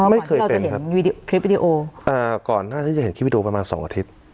ไม่เคยเป็นครับอ่าก่อนน่าจะเห็นคลิปวิดีโอประมาณสองอาทิตย์